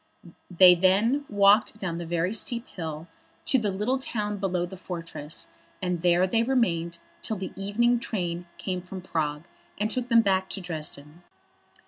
Then they walked down the very steep hill to the little town below the fortress, and there they remained till the evening train came from Prague, and took them back to Dresden.